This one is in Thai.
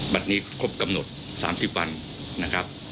บัตรนี้ครบกำหนด๓๐วันนะครับ